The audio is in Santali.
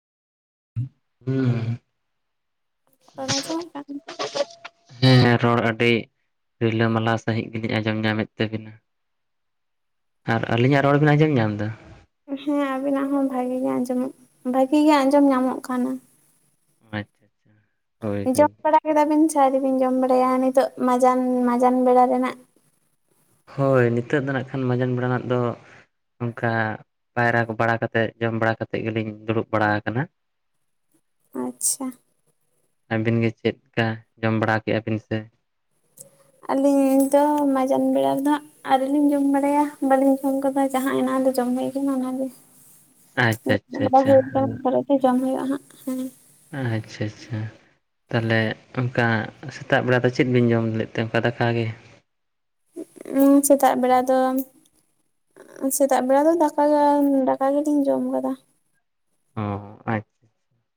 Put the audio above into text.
ᱦᱮᱸ ᱨᱚᱲ ᱟᱸᱡᱚᱢᱚᱜ ᱠᱟᱱ ᱦᱮᱸ ᱨᱚᱲ ᱟᱹᱰᱤ ᱨᱤᱞᱟᱹᱢᱟᱞᱟ ᱥᱟᱺᱦᱤᱡ ᱜᱮᱞᱤᱧ ᱟᱸᱡᱚᱢ ᱧᱟᱢᱮᱫ ᱛᱟᱹᱵᱤᱱᱟ ᱟᱨ ᱟᱹᱞᱤᱧᱟᱜ ᱨᱚᱲ ᱵᱮ ᱟᱸᱚᱢ ᱧᱟᱢ ᱮᱫᱟ ᱦᱮᱸ ᱟᱵᱤᱱᱟᱜ ᱦᱚᱸ ᱵᱷᱟᱜᱤ ᱜᱮ ᱟᱸᱡᱚᱢᱚᱜ ᱵᱷᱟᱜᱤ ᱜᱮ ᱟᱸᱡᱚᱢ ᱧᱟᱢᱚᱜ ᱠᱟᱱᱟ ᱟᱪᱪᱷᱟ ᱟᱪᱪᱷᱟ ᱦᱳᱭ ᱦᱳᱭ [unintelligible] ᱠᱮᱫᱟᱵᱤᱱ ᱥᱟᱨᱤᱵᱤᱱ ᱡᱚᱢ ᱵᱟᱲᱟᱭᱟ ᱱᱤᱛᱚᱜ ᱢᱟᱡᱟᱱ ᱢᱟᱡᱟᱱ ᱵᱮᱲᱟ ᱨᱮᱱᱟᱜ ᱦᱳᱭ ᱱᱤᱛᱚᱜ ᱫᱚ ᱱᱟᱜ ᱠᱷᱟᱱ ᱢᱟᱡᱟᱱ ᱵᱮᱲᱟᱱᱟᱜ ᱫᱚ ᱚᱱᱠᱟ ᱯᱟᱭᱨᱟ ᱵᱟᱲᱟᱛᱮᱫ ᱡᱚᱢ ᱵᱟᱲᱟ ᱠᱟᱛᱮᱮᱫ ᱜᱮᱞᱤᱧ ᱫᱩᱲᱩᱵ ᱵᱟᱲᱟ ᱟᱠᱟᱱᱟ ᱟᱪᱪᱷᱟ ᱟᱹᱵᱤᱱ ᱜᱮ ᱪᱮᱫ ᱞᱮᱠᱟ ᱡᱚᱢ ᱵᱟᱲᱟ ᱠᱮᱫᱮᱜᱼᱟ ᱵᱤᱱ ᱥᱮ ᱟᱹᱞᱤᱧ ᱫᱚ ᱢᱟᱡᱟᱱ ᱵᱮᱲᱟ ᱨᱮᱫᱚ ᱦᱟᱸᱜ ᱟᱣᱞᱤᱧ ᱡᱚᱢ ᱵᱟᱲᱟᱭᱟ ᱵᱟᱞᱤᱧ ᱡᱚᱢ ᱠᱟᱫᱟ ᱡᱟᱦᱟᱸ ᱮᱱᱟ ᱞᱮ ᱡᱚᱢ ᱦᱳᱭ ᱠᱟᱱᱟ ᱚᱱᱟᱜᱮ ᱟᱪᱪᱷᱟ ᱟᱪᱪᱷᱟ ᱵᱩᱲᱩᱵ ᱵᱟᱲᱟ ᱟᱪᱪᱷᱟ ᱦᱩᱭ ᱠᱟᱱᱟ ᱯᱚᱨᱮᱛᱮ ᱡᱚᱢ ᱦᱩᱭᱩᱜᱼᱟ ᱦᱟᱸᱜ ᱦᱮᱸ ᱟᱪᱪᱷᱟ ᱟᱪᱪᱷᱟ ᱛᱟᱦᱚᱞᱮ ᱚᱱᱠᱟ ᱥᱮᱛᱟᱜ ᱵᱮᱲᱟ ᱫᱚ ᱪᱮᱫ ᱵᱤᱱ ᱡᱚᱢ ᱞᱮᱫ ᱛᱮ ᱚᱱᱠᱟ ᱫᱟᱠᱟ ᱜᱮ ᱩᱸ ᱥᱮᱛᱟᱜ ᱵᱮᱲᱟ ᱫᱚ ᱥᱮᱛᱟᱜ ᱵᱮᱲᱟ ᱫᱚ ᱫᱟᱠᱟ ᱫᱟᱠᱟ ᱜᱮᱞᱤᱧ ᱡᱚᱢ ᱟᱠᱟᱫᱟ ᱚ ᱟᱪᱪᱷᱟ